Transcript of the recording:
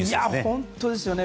本当ですよね。